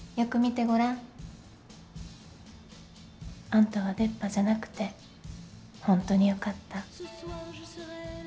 あんたは出っ歯じゃなくて本当に良かった。